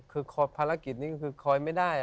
คือภารกิจนี้ก็คือคอยไม่ได้